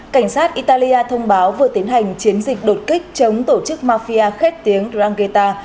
cảnh sát italia thông báo vừa tiến hành chiến dịch đột kích chống tổ chức mafia khét tiếng dranggeta